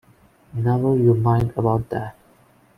Never you mind about that!